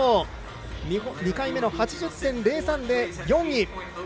２回目の８０．０３で４位。